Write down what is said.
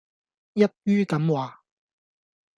一於咁話